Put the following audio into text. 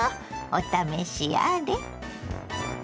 お試しあれ。